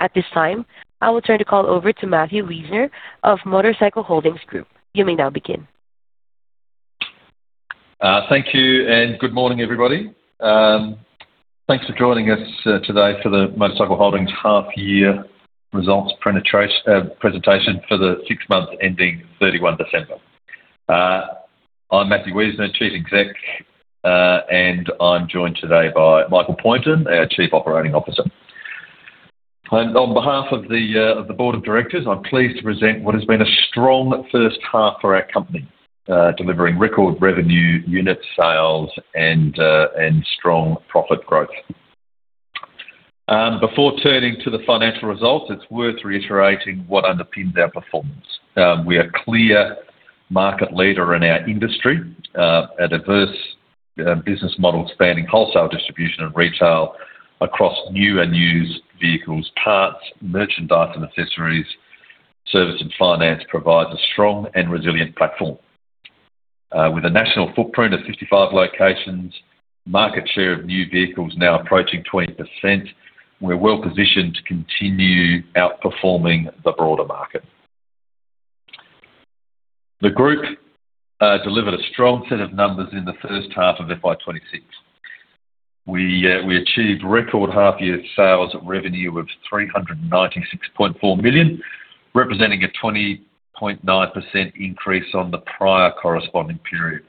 At this time, I will turn the call over to Matthew Wiesner of Motorcycle Holdings Limited. You may now begin. Thank you, good morning, everybody. Thanks for joining us today for the MotorCycle Holdings half year results presentation for the six months ending 31 December. I'm Matthew Wiesner, Chief Exec, and I'm joined today by Michael Poynton, our Chief Operating Officer. On behalf of the Board of Directors, I'm pleased to present what has been a strong first half for our company, delivering record revenue, unit sales, and strong profit growth. Before turning to the financial results, it's worth reiterating what underpins our performance. We are clear market leader in our industry. A diverse business model spanning wholesale, distribution, and retail across new and used vehicles, parts, merchandise and accessories, service and finance, provides a strong and resilient platform. With a national footprint of 55 locations, market share of new vehicles now approaching 20%, we're well positioned to continue outperforming the broader market. The group delivered a strong set of numbers in the first half of FY26. We achieved record half year sales revenue of 396.4 million, representing a 20.9% increase on the prior corresponding period.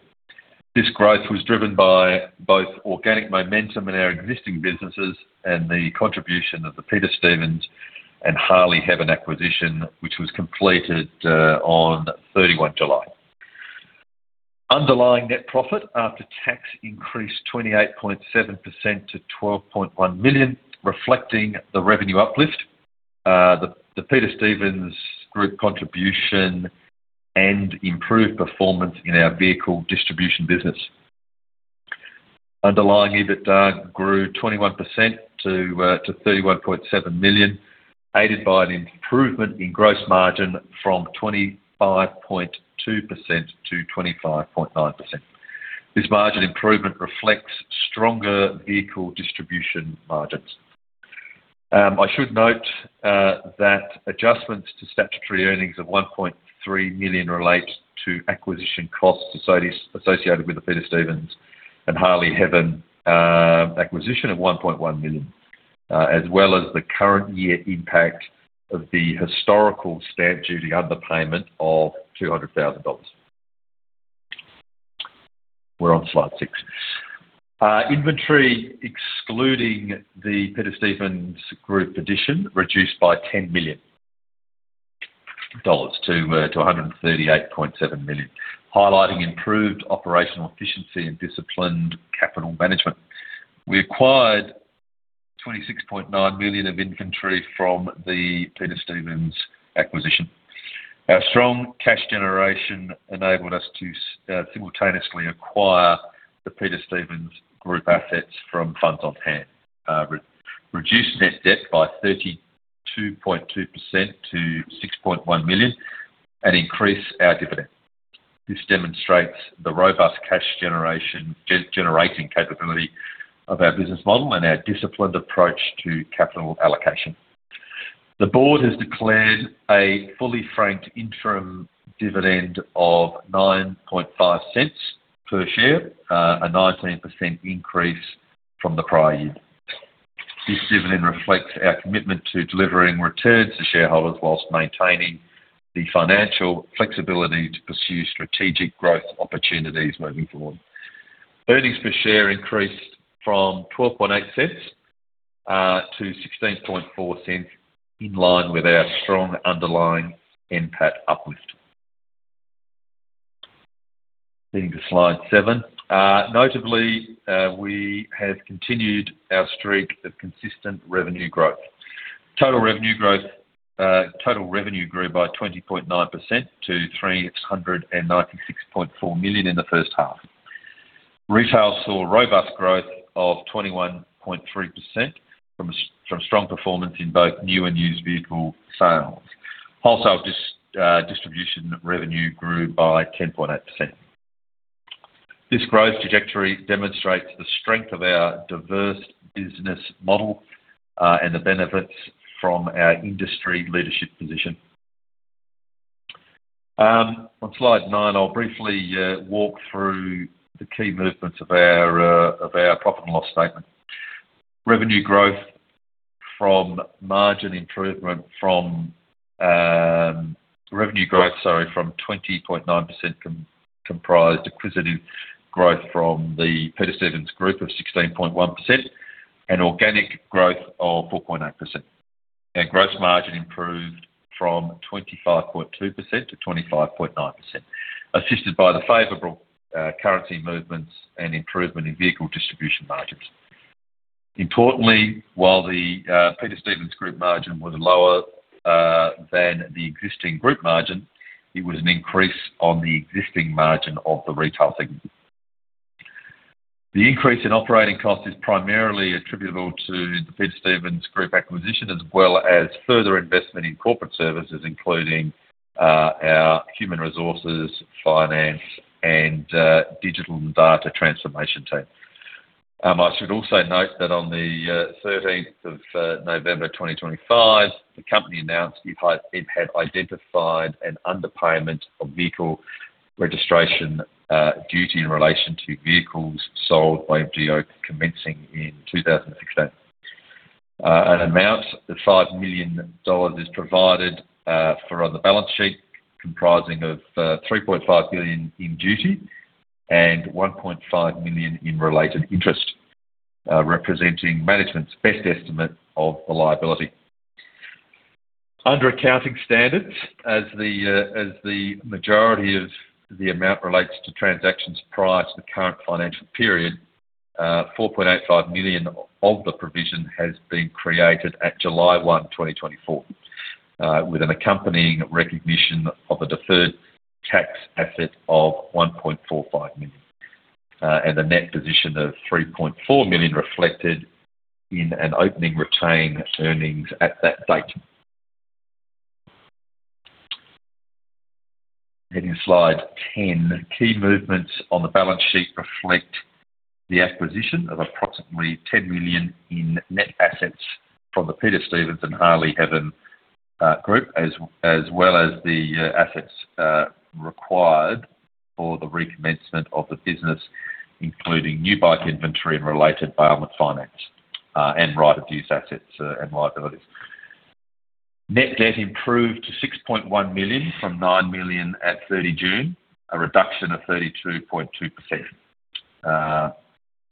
This growth was driven by both organic momentum in our existing businesses and the contribution of the Peter Stevens and Harley-Davidson acquisition, which was completed on 31 July. Underlying net profit after tax increased 28.7% to 12.1 million, reflecting the revenue uplift. The Peter Stevens Group contribution and improved performance in our vehicle distribution business. Underlying EBITDA grew 21% to 31.7 million, aided by an improvement in gross margin from 25.2% to 25.9%. This margin improvement reflects stronger vehicle distribution margins. I should note that adjustments to statutory earnings of 1.3 million relates to acquisition costs associated with the Peter Stevens and Harley-Heaven acquisition of 1.1 million, as well as the current year impact of the historical stamp duty underpayment of 200,000 dollars. We're on slide 6. Inventory, excluding the Peter Stevens Group addition, reduced by 10 million dollars to 138.7 million, highlighting improved operational efficiency and disciplined capital management. We acquired 26.9 million of inventory from the Peter Stevens acquisition. Our strong cash generation enabled us to simultaneously acquire the Peter Stevens Group assets from funds on hand. reduce net debt by 32.2% to 6.1 million and increase our dividend. This demonstrates the robust cash generating capability of our business model and our disciplined approach to capital allocation. The board has declared a fully franked interim dividend of 0.095 per share, a 19% increase from the prior year. This dividend reflects our commitment to delivering returns to shareholders whilst maintaining the financial flexibility to pursue strategic growth opportunities moving forward. Earnings per share increased from 0.128 to 0.164, in line with our strong underlying NPAT uplift. Leading to slide 7. Notably, we have continued our streak of consistent revenue growth. Total revenue growth, total revenue grew by 20.9% to 396.4 million in the first half. Retail saw robust growth of 21.3% from strong performance in both new and used vehicle sales. Wholesale distribution revenue grew by 10.8%. This growth trajectory demonstrates the strength of our diverse business model and the benefits from our industry leadership position. On slide 9, I'll briefly walk through the key movements of our profit and loss statement. Revenue growth from margin improvement from revenue growth, sorry, from 20.9% comprised acquisitive growth from the Peter Stevens Group of 16.1% and organic growth of 4.8%. gross margin improved from 25.2% to 25.9%, assisted by the favorable currency movements and improvement in vehicle distribution margins. Importantly, while the Peter Stevens Group margin was lower than the existing group margin, it was an increase on the existing margin of the retail segment. The increase in operating cost is primarily attributable to the Peter Stevens Group acquisition, as well as further investment in corporate services, including our human resources, finance, and digital and data transformation team. I should also note that on the 13th of November 2025, the company announced it had identified an underpayment of vehicle registration duty in relation to vehicles sold by Mojo commencing in 2016. An amount of 5 million dollars is provided for on the balance sheet, comprising of 3.5 million in duty and 1.5 million in related interest, representing management's best estimate of the liability. Under accounting standards, as the majority of the amount relates to transactions prior to the current financial period, 4.85 million of the provision has been created at July 1, 2024. With an accompanying recognition of a deferred tax asset of 1.45 million, and a net position of 3.4 million reflected in an opening retained earnings at that date. Heading to slide 10. Key movements on the balance sheet reflect the acquisition of approximately 10 million in net assets from the Peter Stevens and Harley-Davidson Group, as well as the assets required for the recommencement of the business, including new bike inventory and related bailment finance, and right-of-use assets and liabilities. Net debt improved to 6.1 million from 9 million at thirty June, a reduction of 32.2%.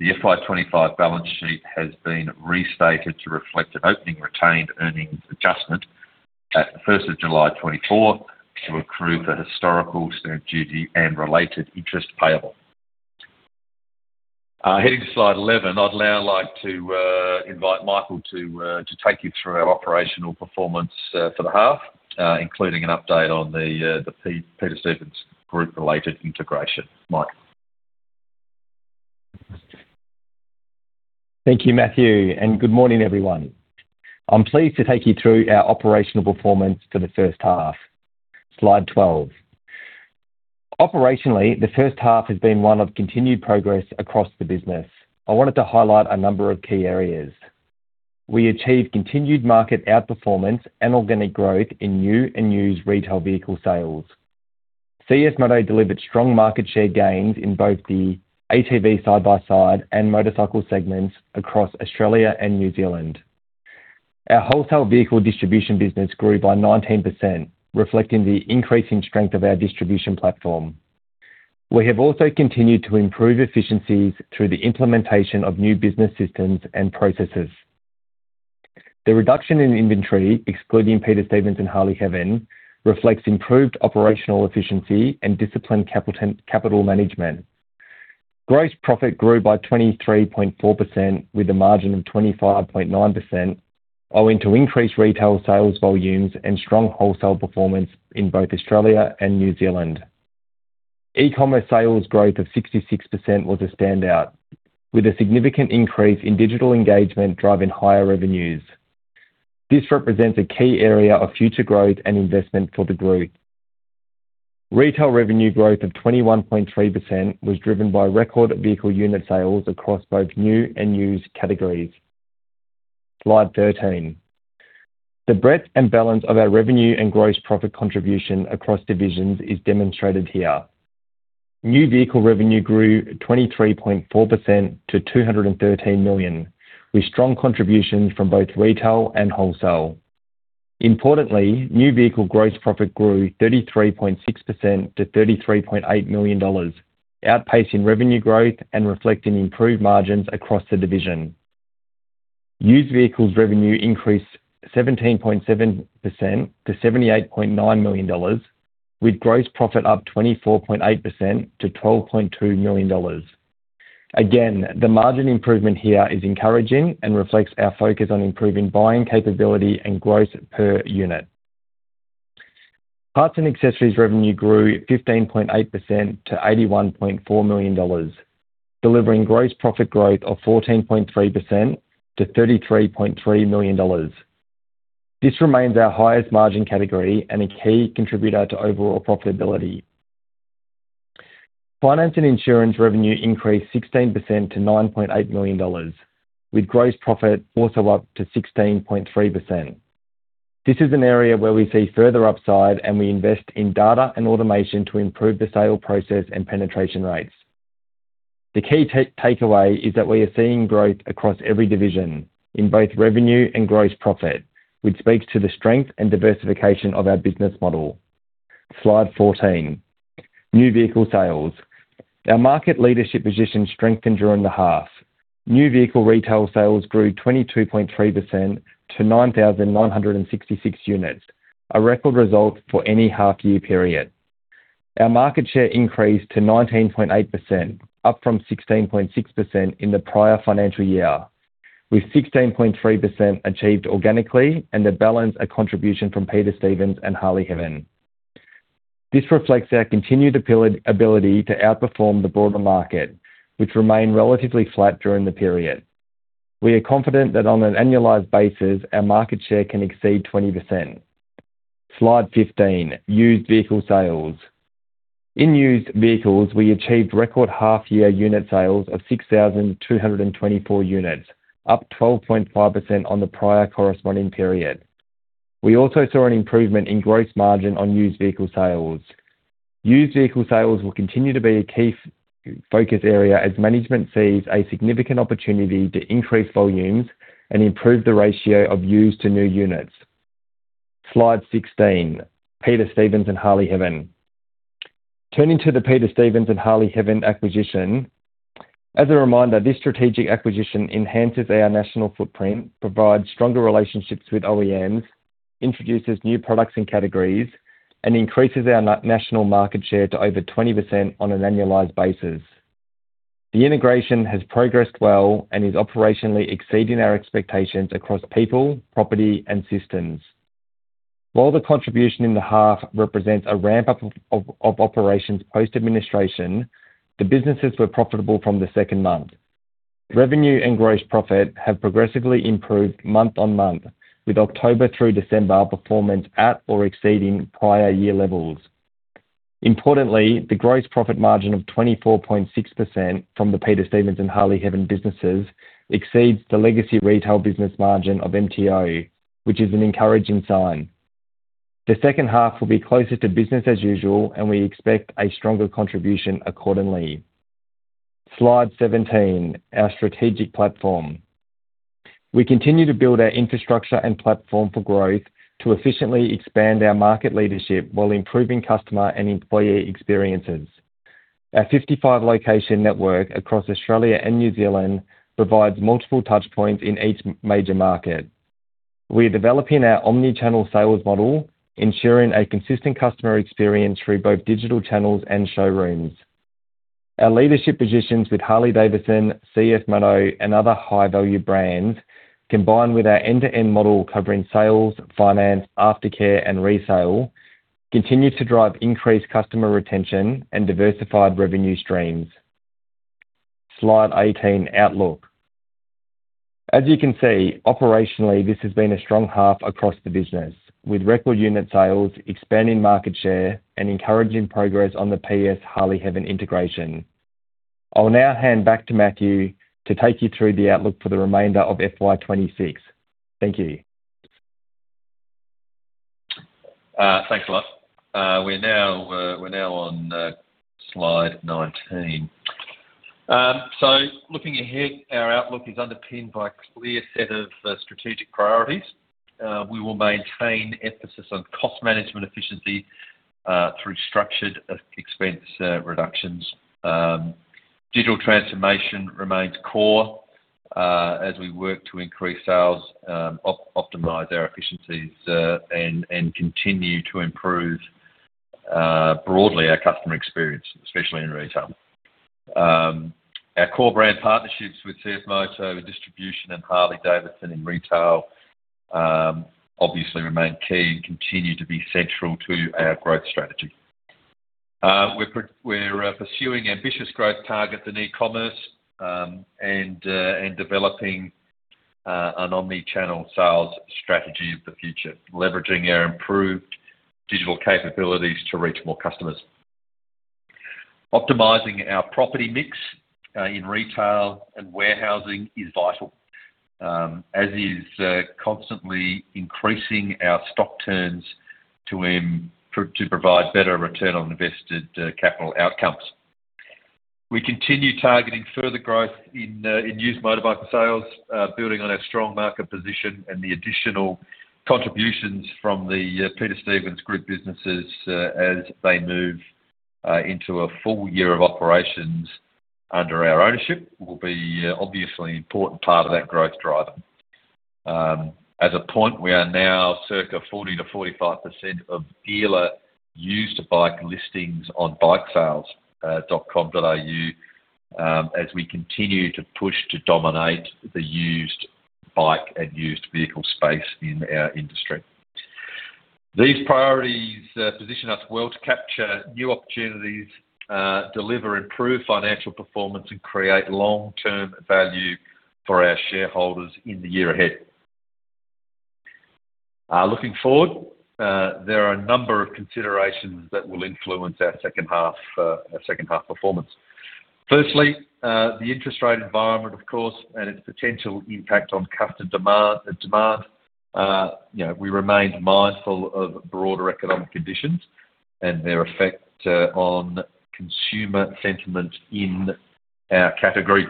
The FY25 balance sheet has been restated to reflect an opening retained earnings adjustment at the first of July 2024 to accrue the historical stamp duty and related interest payable. Heading to slide 11. I'd now like to invite Michael to take you through our operational performance for the half, including an update on the Peter Stevens Group related integration. Michael? Thank you, Matthew. Good morning, everyone. I'm pleased to take you through our operational performance for the first half. Slide 12. Operationally, the first half has been one of continued progress across the business. I wanted to highlight a number of key areas. We achieved continued market outperformance and organic growth in new and used retail vehicle sales. CFMOTO delivered strong market share gains in both the ATV side-by-side and motorcycle segments across Australia and New Zealand. Our wholesale vehicle distribution business grew by 19%, reflecting the increasing strength of our distribution platform. We have also continued to improve efficiencies through the implementation of new business systems and processes. The reduction in inventory, excluding Peter Stevens and Harley-Davidson, reflects improved operational efficiency and disciplined capital management. Gross profit grew by 23.4%, with a margin of 25.9%, owing to increased retail sales volumes and strong wholesale performance in both Australia and New Zealand. E-commerce sales growth of 66% was a standout, with a significant increase in digital engagement, driving higher revenues. This represents a key area of future growth and investment for the group. Retail revenue growth of 21.3% was driven by record vehicle unit sales across both new and used categories. Slide 13. The breadth and balance of our revenue and gross profit contribution across divisions is demonstrated here. New vehicle revenue grew 23.4% to 213 million, with strong contributions from both retail and wholesale. Importantly, new vehicle gross profit grew 33.6% to $33.8 million, outpacing revenue growth and reflecting improved margins across the division. Used vehicles revenue increased 17.7% to $78.9 million, with gross profit up 24.8% to $12.2 million. Again, the margin improvement here is encouraging and reflects our focus on improving buying capability and growth per unit. Parts and accessories revenue grew 15.8% to $81.4 million, delivering gross profit growth of 14.3% to $33.3 million. This remains our highest margin category and a key contributor to overall profitability. Finance and insurance revenue increased 16% to $9.8 million, with gross profit also up to 16.3%. This is an area where we see further upside. We invest in data and automation to improve the sale process and penetration rates. The key takeaway is that we are seeing growth across every division in both revenue and gross profit, which speaks to the strength and diversification of our business model. Slide 14. New vehicle sales. Our market leadership position strengthened during the half. New vehicle retail sales grew 22.3% to 9,966 units, a record result for any half year period. Our market share increased to 19.8%, up from 16.6% in the prior financial year, with 16.3% achieved organically and the balance, a contribution from Peter Stevens and Harley-Davidson. This reflects our continued ability to outperform the broader market, which remained relatively flat during the period. We are confident that on an annualized basis, our market share can exceed 20%. Slide 15, Used Vehicle Sales. In used vehicles, we achieved record half year unit sales of 6,224 units, up 12.5% on the prior corresponding period. We also saw an improvement in gross margin on used vehicle sales. Used vehicle sales will continue to be a key focus area as management sees a significant opportunity to increase volumes and improve the ratio of used to new units. Slide 16, Peter Stevens and Harley-Davidson. Turning to the Peter Stevens and Harley-Davidson acquisition. As a reminder, this strategic acquisition enhances our national footprint, provides stronger relationships with OEMs, introduces new products and categories, and increases our national market share to over 20% on an annualized basis. The integration has progressed well and is operationally exceeding our expectations across people, property, and systems. While the contribution in the half represents a ramp-up of operations post-administration, the businesses were profitable from the second month. Revenue and gross profit have progressively improved month on month, with October through December performance at or exceeding prior year levels. Importantly, the gross profit margin of 24.6% from the Peter Stevens and Harley-Davidson businesses exceeds the legacy retail business margin of MTO, which is an encouraging sign. The second half will be closer to business as usual, and we expect a stronger contribution accordingly. Slide 17, Our Strategic Platform. We continue to build our infrastructure and platform for growth to efficiently expand our market leadership while improving customer and employee experiences. Our 55 location network across Australia and New Zealand provides multiple touchpoints in each major market. We are developing our omni-channel sales model, ensuring a consistent customer experience through both digital channels and showrooms. Our leadership positions with Harley-Davidson, CFMOTO, and other high-value brands, combined with our end-to-end model covering sales, finance, aftercare, and resale, continues to drive increased customer retention and diversified revenue streams. Slide 18, Outlook. As you can see, operationally, this has been a strong half across the business, with record unit sales, expanding market share, and encouraging progress on the Peter Stevens Harley-Davidson integration. I'll now hand back to Matthew to take you through the outlook for the remainder of FY26. Thank you. Thanks a lot. We're now on slide 19. Looking ahead, our outlook is underpinned by a clear set of strategic priorities. We will maintain emphasis on cost management efficiency through structured expense reductions. Digital transformation remains core as we work to increase sales, optimize our efficiencies, and continue to improve, broadly, our customer experience, especially in retail. Our core brand partnerships with CFMOTO in distribution and Harley-Davidson in retail, obviously remain key and continue to be central to our growth strategy. We're pursuing ambitious growth targets in e-commerce, and developing an omni-channel sales strategy of the future, leveraging our improved digital capabilities to reach more customers. Optimizing our property mix in retail and warehousing is vital, as is constantly increasing our stock turns to provide better return on invested capital outcomes. We continue targeting further growth in used motorbike sales, building on our strong market position and the additional contributions from the Peter Stevens Group businesses, as they move into a full year of operations under our ownership, will be obviously an important part of that growth driver. As a point, we are now circa 40%-45% of dealer used bike listings on bikesales.com.au, as we continue to push to dominate the used bike and used vehicle space in our industry. These priorities position us well to capture new opportunities, deliver improved financial performance, and create long-term value for our shareholders in the year ahead. Looking forward, there are a number of considerations that will influence our second half performance. Firstly, the interest rate environment, of course, and its potential impact on customer demand. You know, we remain mindful of broader economic conditions and their effect on consumer sentiment in our category.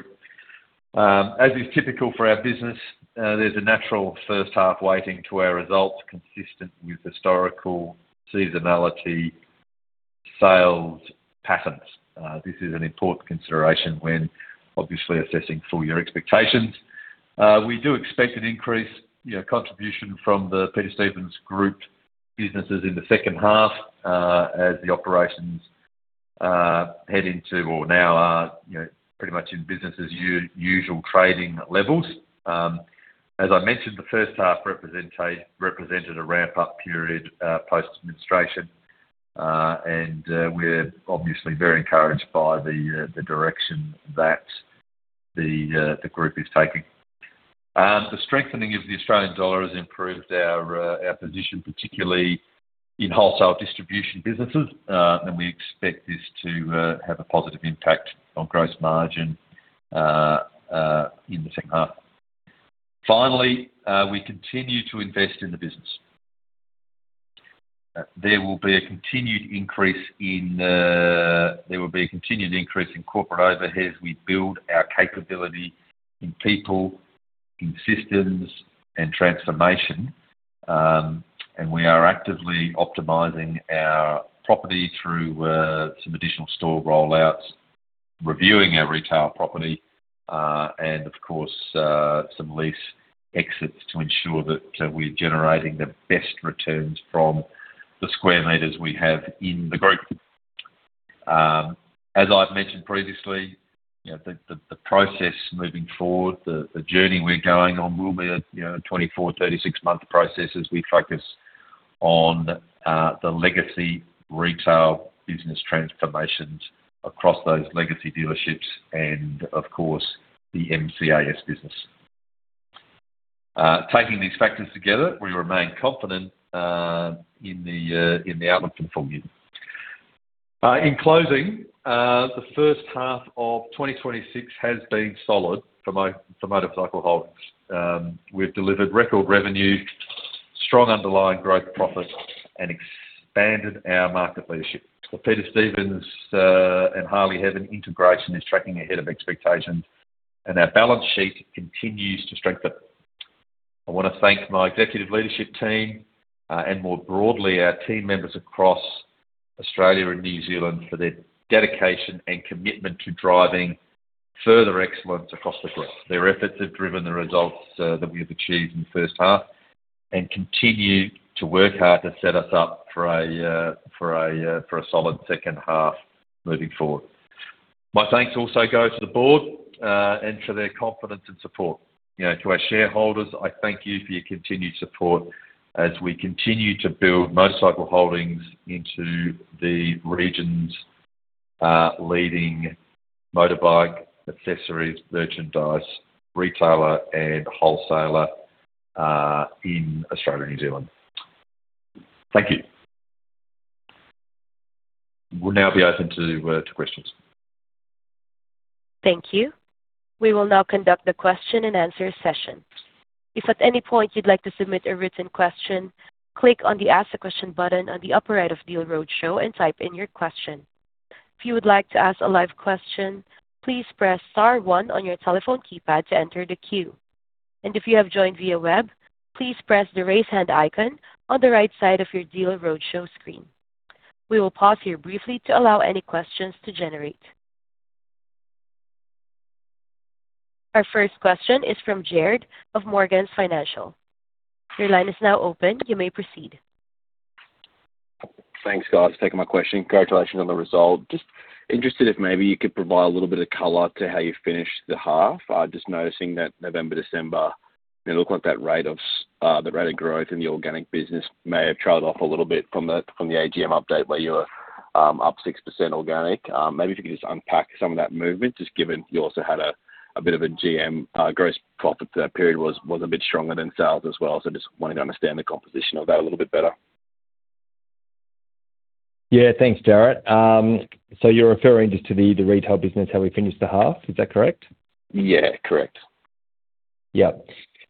As is typical for our business, there's a natural first half weighting to our results, consistent with historical seasonality sales patterns. This is an important consideration when obviously assessing full year expectations. We do expect an increased, you know, contribution from the Peter Stevens Group businesses in the second half, as the operations head into or now are, you know, pretty much in business as usual trading levels. As I mentioned, the first half represented a ramp-up period post-administration, and we're obviously very encouraged by the direction that the group is taking. The strengthening of the Australian dollar has improved our position, particularly in wholesale distribution businesses. We expect this to have a positive impact on gross margin in the second half. Finally, we continue to invest in the business. There will be a continued increase in corporate overhead as we build our capability in people, in systems, and transformation. We are actively optimizing our property through some additional store rollouts, reviewing our retail property, and of course, some lease exits to ensure that we're generating the best returns from the square meters we have in the group. As I've mentioned previously, you know, the process moving forward, the journey we're going on will be a, you know, 24-36 month process as we focus on the legacy retail business transformations across those legacy dealerships and of course, the MCAS business. Taking these factors together, we remain confident in the outlook for the full year. In closing, the first half of 2026 has been solid for MotorCycle Holdings. We've delivered record revenue, strong underlying growth profits, and expanded our market leadership. The Peter Stevens and Harley-Davidson integration is tracking ahead of expectations, and our balance sheet continues to strengthen. I want to thank my executive leadership team and more broadly, our team members across Australia and New Zealand for their dedication and commitment to driving further excellence across the group. Their efforts have driven the results that we've achieved in the first half and continue to work hard to set us up for a solid second half moving forward. My thanks also go to the board and for their confidence and support. You know, to our shareholders, I thank you for your continued support as we continue to build MotorCycle Holdings into the region's leading motorbike accessories, merchandise retailer, and wholesaler in Australia and New Zealand. Thank you. We'll now be open to questions. Thank you. We will now conduct the question and answer session. If at any point you'd like to submit a written question, click on the Ask a Question button on the upper right of Deal Roadshow and type in your question. If you would like to ask a live question, please press star one on your telephone keypad to enter the queue. If you have joined via web, please press the Raise Hand icon on the right side of your Deal Roadshow screen. We will pause here briefly to allow any questions to generate. Our first question is from Jared of Morgans Financial. Your line is now open. You may proceed. Thanks, guys, for taking my question. Congratulations on the result. Just interested if maybe you could provide a little bit of color to how you finished the half. Just noticing that November, December, it looked like that rate of the rate of growth in the organic business may have trailed off a little bit from the AGM update, where you were up 6% organic. Maybe if you could just unpack some of that movement, just given you also had a bit of a GM, gross profit for that period was a bit stronger than sales as well. Just wanted to understand the composition of that a little bit better. Thanks, Jared. You're referring just to the retail business, how we finished the half, is that correct? Yeah, correct. Yeah.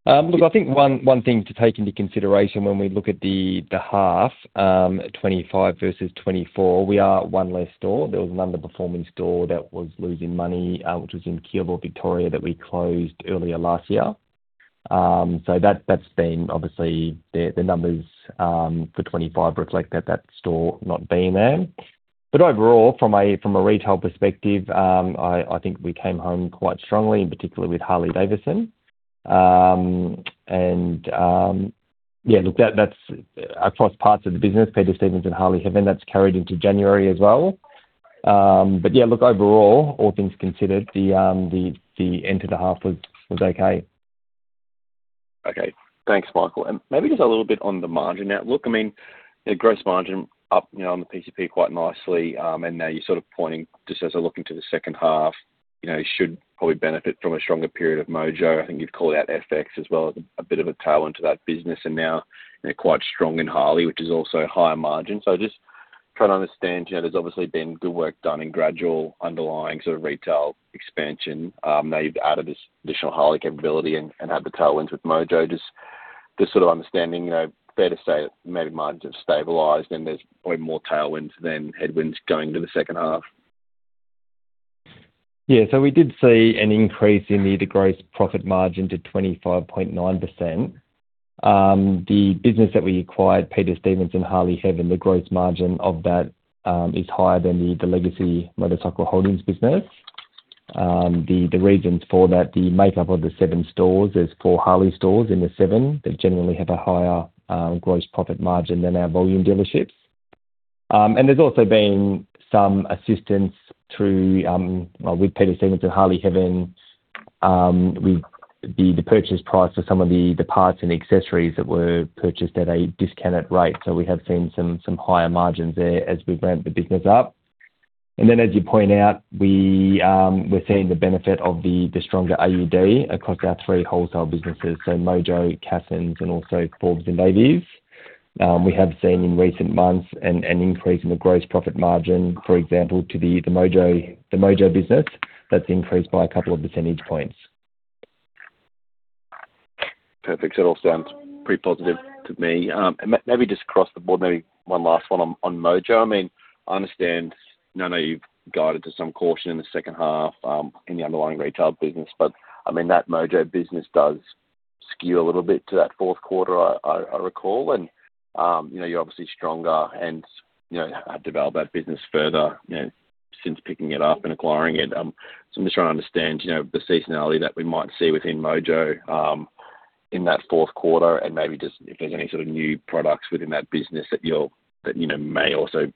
Look, I think one thing to take into consideration when we look at the half, FY25 versus FY24, we are 1 less store. There was an underperforming store that was losing money, which was in Keilor, Victoria, that we closed earlier last year. That's been obviously the numbers for FY25 reflect that store not being there. Overall, from a retail perspective, I think we came home quite strongly, in particular with Harley-Davidson. Yeah, look, that's across parts of the business, Peter Stevens and Harley-Davidson, that's carried into January as well. Yeah, look, overall, all things considered, the end to the half was okay. Okay. Thanks, Michael. Maybe just a little bit on the margin outlook. I mean, the gross margin up, you know, on the PCP quite nicely, and now you're sort of pointing just as we look into the second half, you know, you should probably benefit from a stronger period of Mojo. I think you'd call out FX as well as a bit of a tailwind to that business, and now you're quite strong in Harley, which is also higher margin. Just trying to understand, you know, there's obviously been good work done in gradual underlying sort of retail expansion, now you've added this additional Harley capability and had the tailwinds with Mojo. Just sort of understanding, you know, fair to say that maybe margins have stabilized and there's probably more tailwinds than headwinds going into the second half? We did see an increase in the gross profit margin to 25.9%. The business that we acquired, Peter Stevens and Harley-Davidson, the gross margin of that is higher than the legacy MotorCycle Holdings business. The reasons for that, the makeup of the seven stores, there's four Harley stores in the seven, that generally have a higher gross profit margin than our volume dealerships. There's also been some assistance through, well, with Peter Stevens and Harley-Davidson. With the purchase price for some of the parts and accessories that were purchased at a discounted rate. We have seen higher margins there as we ramp the business up. As you point out, we're seeing the benefit of the stronger AUD across our three wholesale businesses, so Mojo, Cassons, and also Forbes & Davies. We have seen in recent months an increase in the gross profit margin, for example, to the Mojo business, that's increased by a couple of percentage points. Perfect. That all sounds pretty positive to me. Maybe just across the board, maybe one last one on Mojo. I mean, I understand, I know you've guided to some caution in the second half in the underlying retail business, but I mean, that Mojo business does skew a little bit to that fourth quarter. I recall and, you know, you're obviously stronger and, you know, have developed that business further, you know, since picking it up and acquiring it. So I'm just trying to understand, you know, the seasonality that we might see within Mojo in that fourth quarter, and maybe just if there's any sort of new products within that business that, you know, may also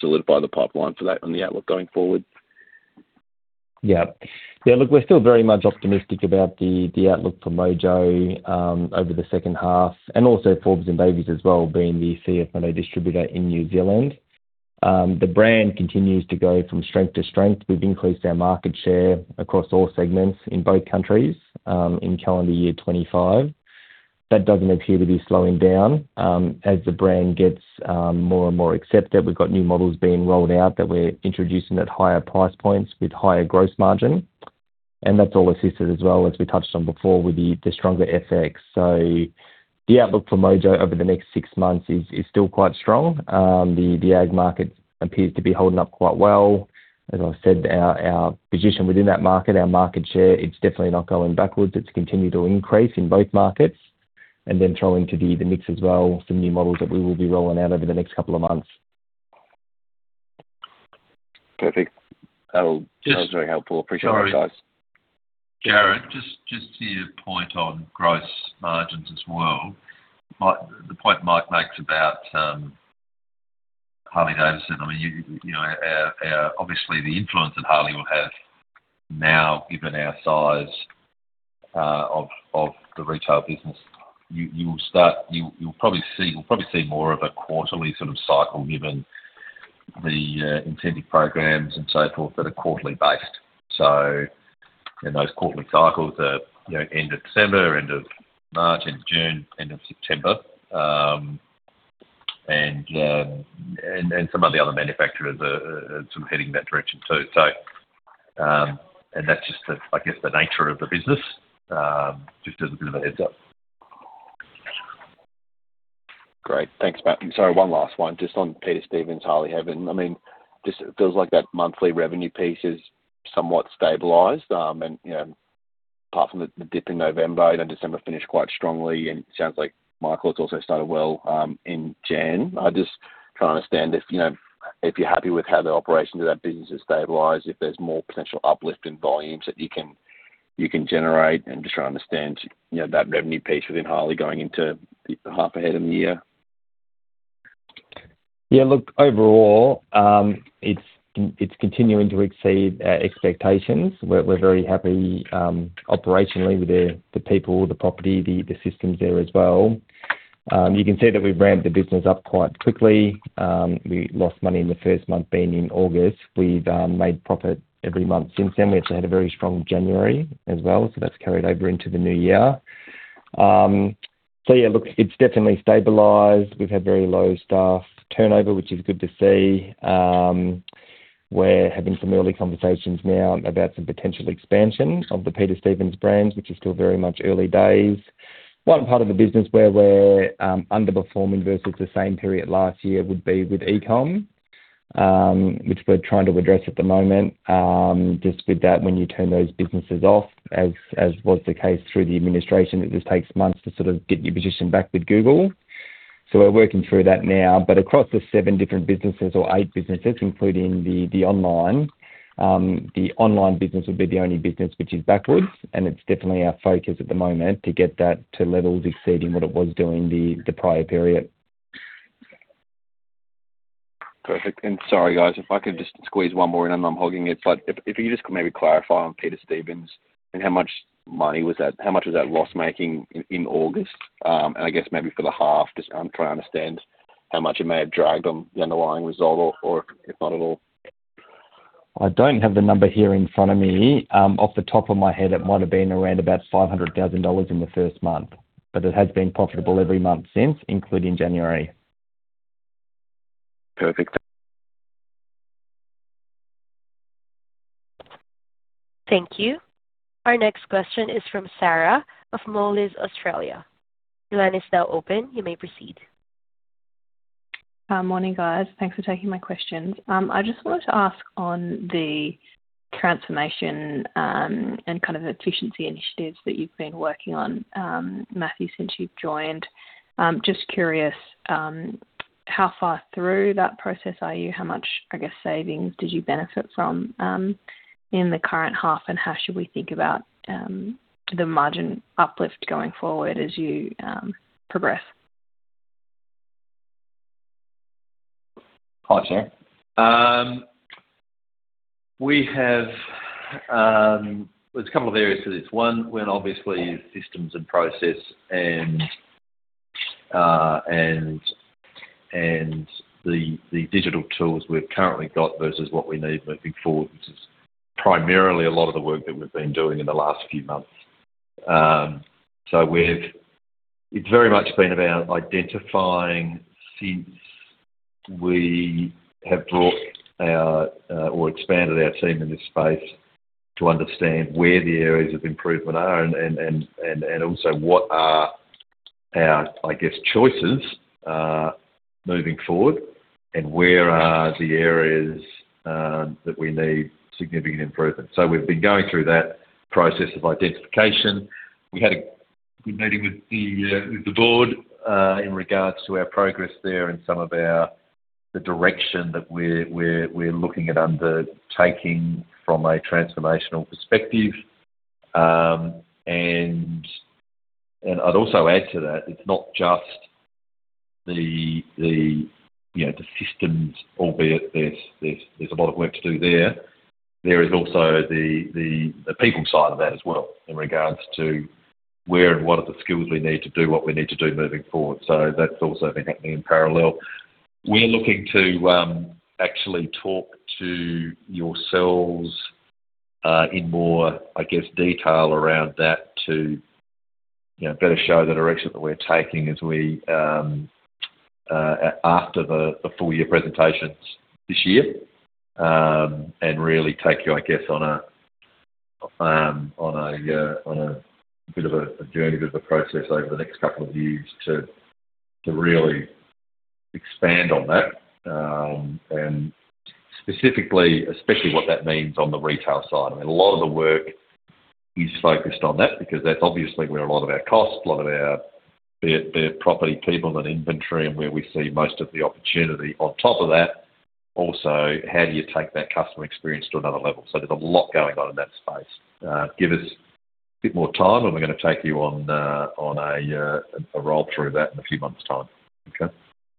solidify the pipeline for that on the outlook going forward. Yeah. Yeah, look, we're still very much optimistic about the outlook for Mojo over the second half, and also Forbes & Davies as well, being the CFMOTO distributor in New Zealand. The brand continues to go from strength to strength. We've increased our market share across all segments in both countries in calendar year 2025. That doesn't appear to be slowing down. As the brand gets more and more accepted, we've got new models being rolled out that we're introducing at higher price points with higher gross margin, and that's all assisted as well, as we touched on before, with the stronger FX. The outlook for Mojo over the next six months is still quite strong. The ag market appears to be holding up quite well. As I said, our position within that market, our market share, it's definitely not going backwards. It's continued to increase in both markets, then throw into the mix as well, some new models that we will be rolling out over the next couple of months. Perfect. That was, that was very helpful. Appreciate it, guys. Sorry, Jared, just to your point on gross margins as well. The point Mike makes about Harley-Davidson, I mean, you know, our obviously the influence that Harley will have now, given our size of the retail business, you will start. You'll probably see more of a quarterly sort of cycle, given the incentive programs and so forth that are quarterly based. And those quarterly cycles are, you know, end of December, end of March, end of June, end of September, and some of the other manufacturers are sort of heading in that direction too. And that's just the, I guess, the nature of the business, just as a bit of a heads up. Great. Thanks, Matt. Sorry, one last one, just on Peter Stevens, Harley-Davidson. I mean, just feels like that monthly revenue piece is somewhat stabilized, and, you know, apart from the dip in November, then December finished quite strongly, and it sounds like Michael, it's also started well, in January. I just trying to understand if, you know, if you're happy with how the operations of that business has stabilized, if there's more potential uplift in volumes that you can generate, and just try to understand, you know, that revenue piece within Harley going into the half ahead of the year. Look, overall, it's continuing to exceed our expectations. We're very happy operationally with the people, the property, the systems there as well. You can see that we've ramped the business up quite quickly. We lost money in the first month, being in August. We've made profit every month since then. We actually had a very strong January as well, so that's carried over into the new year. Look, it's definitely stabilized. We've had very low staff turnover, which is good to see. We're having some early conversations now about some potential expansion of the Peter Stevens brands, which is still very much early days. One part of the business where we're underperforming versus the same period last year would be with e-com, which we're trying to address at the moment. Just with that, when you turn those businesses off, as was the case through the administration, it just takes months to sort of get your position back with Google. We're working through that now, but across the seven different businesses or eight businesses, including the online, the online business would be the only business which is backwards, and it's definitely our focus at the moment to get that to levels exceeding what it was during the prior period. Perfect. Sorry, guys, if I could just squeeze one more in. I'm hogging it. If you just could maybe clarify on Peter Stevens and how much was that loss-making in August? I guess maybe for the half, just I'm trying to understand how much it may have dragged on the underlying result or if not at all. I don't have the number here in front of me. Off the top of my head, it might have been around about 500,000 dollars in the first month, but it has been profitable every month since, including January. Perfect. Thank you. Our next question is from Sarah of Moelis Australia. Your line is now open. You may proceed. Morning, guys. Thanks for taking my questions. I just wanted to ask on the transformation and kind of efficiency initiatives that you've been working on, Matthew, since you've joined. Just curious, how far through that process are you? How much, I guess, savings did you benefit from in the current half? How should we think about the margin uplift going forward as you progress? Hi, Sarah. ...We have, there's a couple of areas to this. One, when obviously systems and process and the digital tools we've currently got versus what we need moving forward, which is primarily a lot of the work that we've been doing in the last few months. It's very much been about identifying since we have brought our, or expanded our team in this space to understand where the areas of improvement are and also what are our, I guess, choices, moving forward, and where are the areas that we need significant improvement. We've been going through that process of identification. We had a good meeting with the board in regards to our progress there and some of our the direction that we're looking at undertaking from a transformational perspective. I'd also add to that, it's not just the, you know, the systems, albeit there's a lot of work to do there. There is also the people side of that as well in regards to where and what are the skills we need to do what we need to do moving forward. That's also been happening in parallel. We're looking to actually talk to yourselves in more, I guess, detail around that to, you know, better show the direction that we're taking as we after the full year presentations this year. Really take you, I guess, on a on a bit of a journey, bit of a process over the next couple of years to really expand on that, and specifically, especially what that means on the retail side. I mean, a lot of the work is focused on that because that's obviously where a lot of our costs, a lot of our property, people and inventory, and where we see most of the opportunity. On top of that, also, how do you take that customer experience to another level? There's a lot going on in that space. Give us a bit more time, and we're gonna take you on a a roll through that in a few months' time. Okay?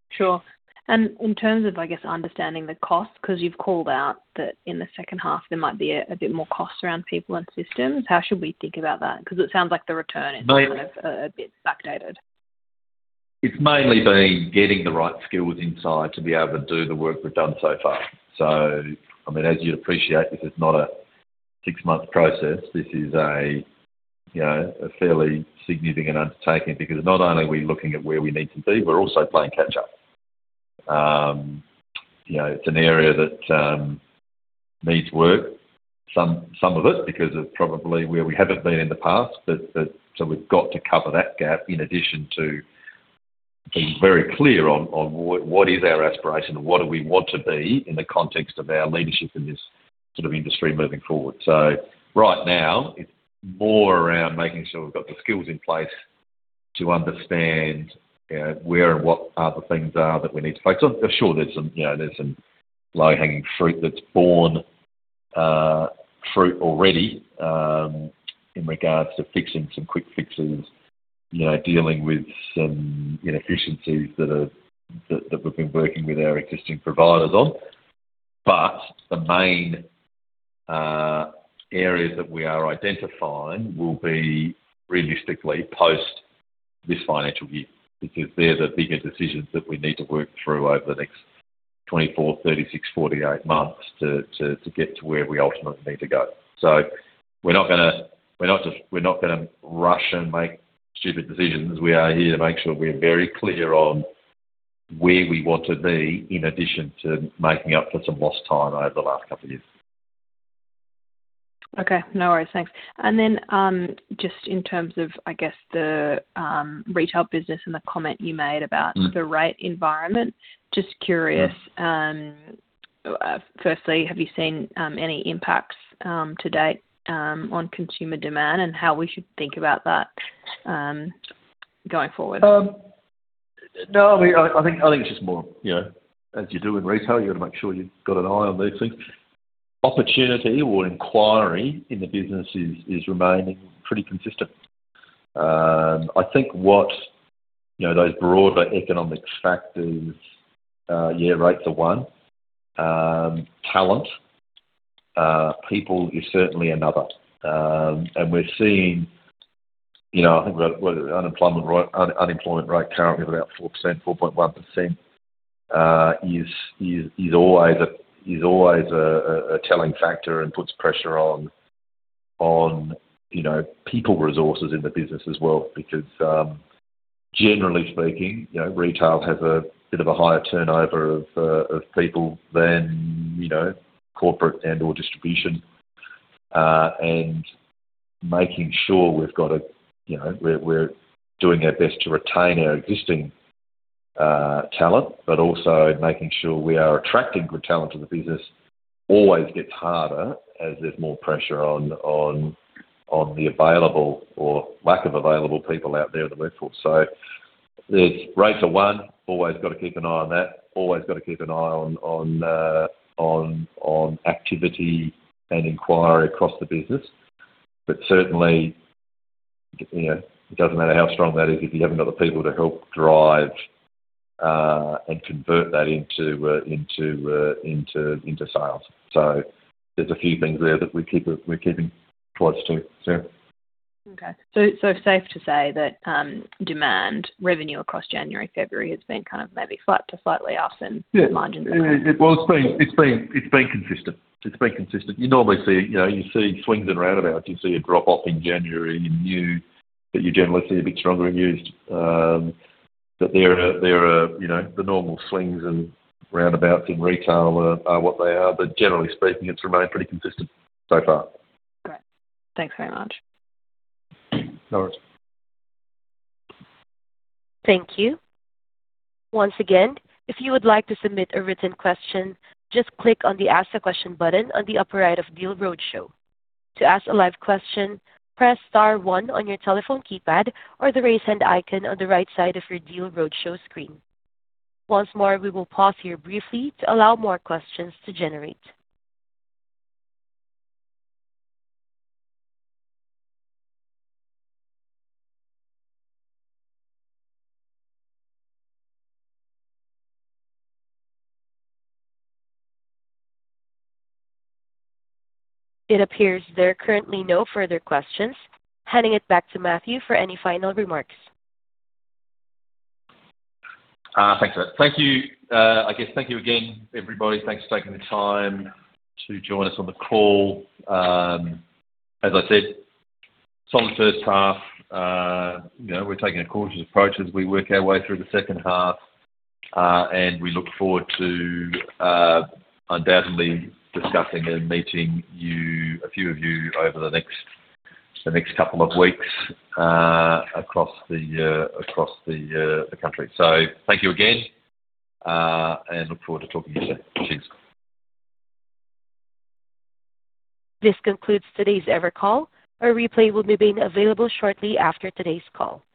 Sure. In terms of, I guess, understanding the cost, because you've called out that in the second half, there might be a bit more cost around people and systems. How should we think about that? Because it sounds like the return is. Mainly- A bit backdated. It's mainly been getting the right skills inside to be able to do the work we've done so far. I mean, as you'd appreciate, this is not a six-month process. This is a, you know, a fairly significant undertaking because not only are we looking at where we need to be, we're also playing catch up. You know, it's an area that needs work, some of it because of probably where we haven't been in the past, but so we've got to cover that gap in addition to being very clear on what is our aspiration and what do we want to be in the context of our leadership in this sort of industry moving forward. Right now, it's more around making sure we've got the skills in place to understand, you know, where and what are the things that we need to focus on. For sure, there's some, you know, there's some low-hanging fruit that's borne fruit already in regards to fixing some quick fixes, you know, dealing with some inefficiencies that we've been working with our existing providers on. The main areas that we are identifying will be realistically post this financial year, because they're the bigger decisions that we need to work through over the next 24, 36, 48 months to get to where we ultimately need to go. We're not gonna rush and make stupid decisions. We are here to make sure we're very clear on where we want to be, in addition to making up for some lost time over the last couple of years. Okay, no worries. Thanks. Just in terms of, I guess, the retail business and the comment you made. Mm. The rate environment, just curious, firstly, have you seen any impacts to date on consumer demand and how we should think about that going forward? No, I mean, I think it's just more, you know, as you do in retail, you got to make sure you've got an eye on these things. Opportunity or inquiry in the business is remaining pretty consistent. I think what, you know, those broader economic factors, yeah, rates are one, talent, people is certainly another. We're seeing, you know, I think the unemployment rate currently of about 4%, 4.1%, is always a telling factor and puts pressure on, you know, people resources in the business as well, because, generally speaking, you know, retail has a bit of a higher turnover of people than, you know, corporate and/or distribution. Making sure we've got, you know, we're doing our best to retain our existing talent, but also making sure we are attracting good talent to the business always gets harder as there's more pressure on the available or lack of available people out there in the workforce. Rates are one, always got to keep an eye on that, always got to keep an eye on activity and inquiry across the business. Certainly. You know, it doesn't matter how strong that is, if you haven't got the people to help drive and convert that into sales. There's a few things there that we keep, we're keeping close to. Yeah. Okay. safe to say that, demand revenue across January, February has been kind of maybe flat to slightly up. Yeah. Margins? Well, it's been consistent. It's been consistent. You normally see, you know, you see swings and roundabouts. You see a drop off in January in new, you generally see a bit stronger in used. There are, you know, the normal swings and roundabouts in retail are what they are. Generally speaking, it's remained pretty consistent so far. Great. Thanks very much. No worries. Thank you. Once again, if you would like to submit a written question, just click on the Ask a Question button on the upper right of Deal Roadshow. To ask a live question, press star one on your telephone keypad or the Raise Hand icon on the right side of your Deal Roadshow screen. Once more, we will pause here briefly to allow more questions to generate. It appears there are currently no further questions. Handing it back to Matthew for any final remarks. Thanks. Thank you. I guess thank you again, everybody. Thanks for taking the time to join us on the call. As I said, solid first half, you know, we're taking a cautious approach as we work our way through the second half, and we look forward to undoubtedly discussing and meeting you, a few of you over the next couple of weeks, across the country. Thank you again, and look forward to talking to you soon. Cheers. This concludes today's Evercall. A replay will be made available shortly after today's call. Thank you.